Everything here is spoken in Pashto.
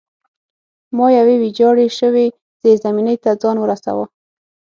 ما یوې ویجاړې شوې زیرزمینۍ ته ځان ورساوه